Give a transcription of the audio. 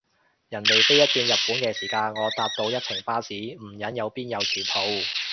人哋飛一轉日本嘅時間，我搭到一程巴士，唔忍又邊有前途？